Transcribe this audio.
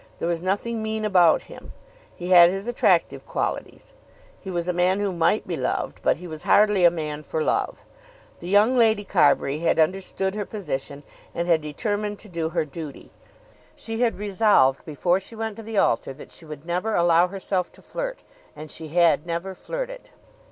There was nothing mean about him. He had his attractive qualities. He was a man who might be loved; but he was hardly a man for love. The young Lady Carbury had understood her position and had determined to do her duty. She had resolved before she went to the altar that she would never allow herself to flirt and she had never flirted.